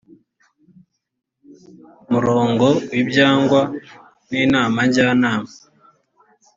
murongo w ibyigwa n inama njyanama